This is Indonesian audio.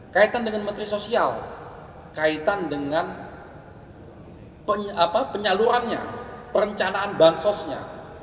kaitan dengan menteri sosial kaitan dengan penyalurannya perencanaan bansosnya